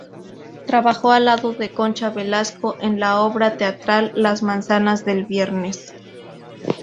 Trabajó al lado de Concha Velasco en la obra teatral "Las manzanas del viernes".